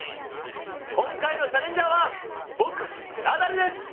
今回のチャレンジャーは僕ナダルです！